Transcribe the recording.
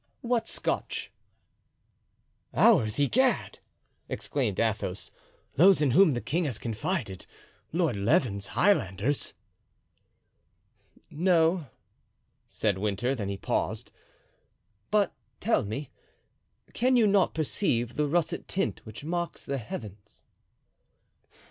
"What Scotch?" "Ours, egad!" exclaimed Athos. "Those in whom the king has confided—Lord Leven's Highlanders." "No," said Winter, then he paused; "but tell me, can you not perceive the russet tint which marks the heavens?"